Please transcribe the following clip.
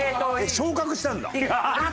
昇格したんだ。